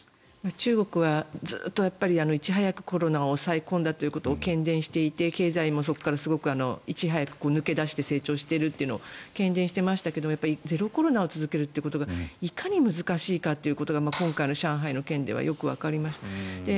中国はずっといち早くコロナを抑え込んだということをけん伝していて、経済もそこからいち早く抜け出して成長しているというのをけん伝していましたけどゼロコロナを続けることがいかに難しいかが今回の上海の件ではよくわかります。